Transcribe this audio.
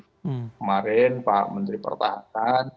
kemarin pak menteri pertahanan